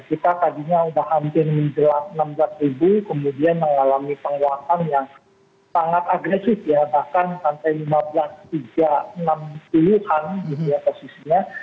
kita tadinya sudah hampir menjelat rp enam belas kemudian mengalami penguatan yang sangat agresif ya